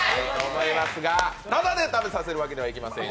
タダで食べさせるわけにはいきません。